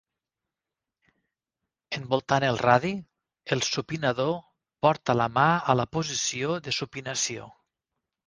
Envoltant el radi, el supinador porta la mà a la posició de supinació.